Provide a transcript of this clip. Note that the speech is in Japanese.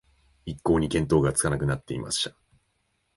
一向に見当がつかなくなっていました